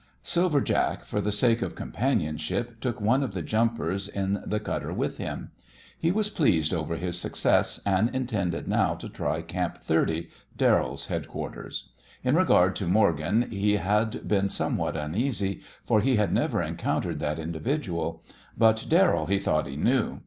Silver Jack, for the sake of companionship, took one of the "jumpers" in the cutter with him. He was pleased over his success, and intended now to try Camp Thirty, Darrell's headquarters. In regard to Morgan he had been somewhat uneasy, for he had never encountered that individual; but Darrell he thought he knew.